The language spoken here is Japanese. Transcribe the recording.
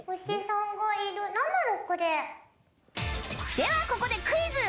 では、ここでクイズ。